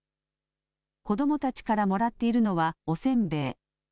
子どもたちからもらっているのはおせんべい。